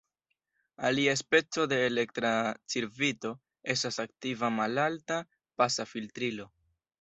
Alia speco de elektra cirkvito estas aktiva malalta-pasa filtrilo.